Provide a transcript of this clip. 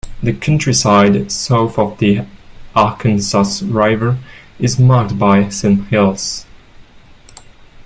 The countryside south of the Arkansas River is marked by sandhills.